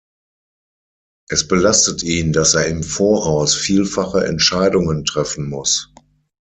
Es belastet ihn, dass er im Voraus vielfache Entscheidungen treffen muss.